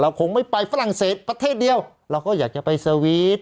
คงไม่ไปฝรั่งเศสประเทศเดียวเราก็อยากจะไปสวีท